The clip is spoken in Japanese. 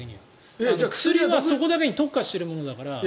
薬はそこだけに特化しているものだから。